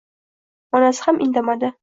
Onasi ham indamadi.